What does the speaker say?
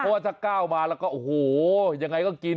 เพราะว่าถ้าก้าวมาแล้วก็โอ้โหยังไงก็กิน